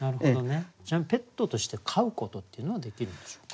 ちなみにペットとして飼うことっていうのはできるんでしょうか？